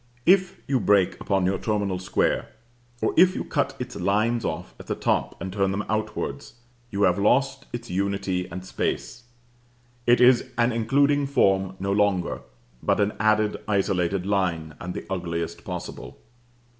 But if you break upon your terminal square, or if you cut its lines off at the top and turn them outwards, you have lost its unity and space. It is an including form no longer, but an added, isolated line, and the ugliest possible.